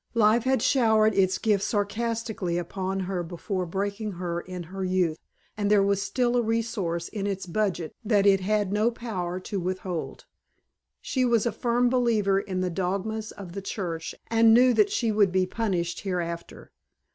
Life had showered its gifts sardonically upon her before breaking her in her youth, and there was still a resource in its budget that it had no power to withhold. She was a firm believer in the dogmas of the Church and knew that she would be punished hereafter.